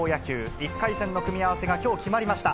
１回戦の組み合わせがきょう決まりました。